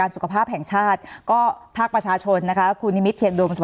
สนับสนุนโดยพี่โพเพี่ยวสะอาดใสไร้คราบ